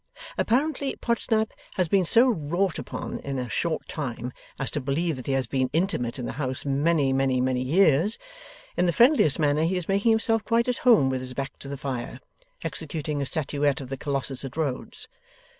Apparently, Podsnap has been so wrought upon in a short time, as to believe that he has been intimate in the house many, many, many years. In the friendliest manner he is making himself quite at home with his back to the fire, executing a statuette of the Colossus at Rhodes.